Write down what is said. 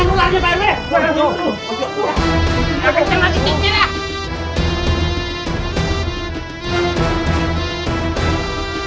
nah dia pingsan kakaknya ya kan